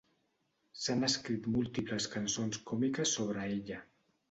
S'han escrit múltiples cançons còmiques sobre ella.